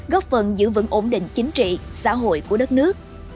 góp phần giữ vững ổn định chính trị xã hội của đất nước